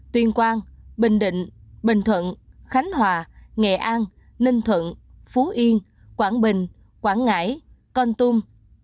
tuyên quang bình định bình thuận khánh hòa nghệ an ninh thuận phú yên quảng bình quảng ngãi con tum